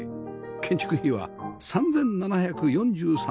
建築費は３７４３万円